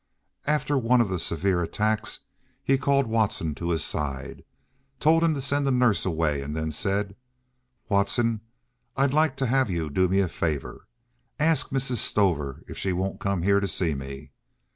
After one of the severe attacks he called Watson to his side, told him to send the nurse away, and then said: "Watson, I'd like to have you do me a favor. Ask Mrs. Stover if she won't come here to see me.